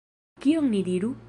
Kion ni diru?